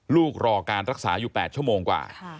รอการรักษาอยู่๘ชั่วโมงกว่า